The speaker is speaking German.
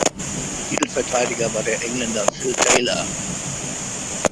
Titelverteidiger war der Engländer Phil Taylor.